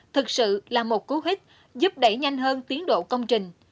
thực sự là một cú hích giúp đẩy nhanh hơn tiến độ công trình